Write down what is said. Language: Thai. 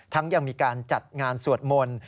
ยังมีการจัดงานสวดมนต์